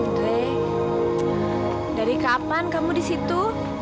nek dari kapan kamu disitu